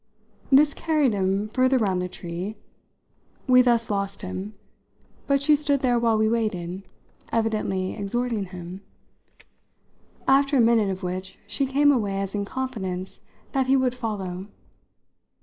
This carried him further round the tree. We thus lost him, but she stood there while we waited, evidently exhorting him; after a minute of which she came away as in confidence that he would follow.